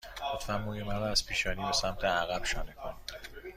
لطفاً موی مرا از پیشانی به سمت عقب شانه کنید.